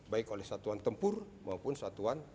baik oleh satuan tempur maupun satuan